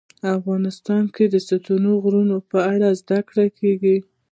افغانستان کې د ستوني غرونه په اړه زده کړه کېږي.